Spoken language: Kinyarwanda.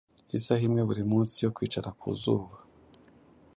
isaha imwe buri munsi yo kwicara ku zuba.